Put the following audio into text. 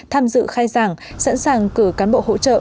tham dự khai giảng sẵn sàng cử cán bộ hỗ trợ